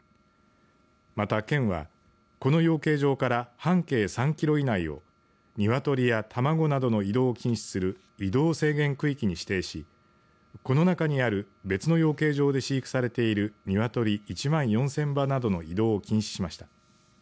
また県はこの養鶏場から半径３キロ以内を鶏や卵などの移動を禁止する移動制限区域に指定しこの中にある別の養鶏場で飼育されている鶏１万４０００羽などの移動を禁止しました。